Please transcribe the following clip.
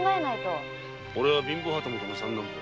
おれは貧乏旗本の三男坊。